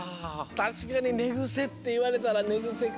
たしかにねぐせっていわれたらねぐせか。